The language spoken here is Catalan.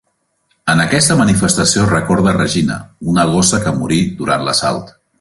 En aquesta manifestació es recorda a Regina, una gossa que morí durant l'assalt.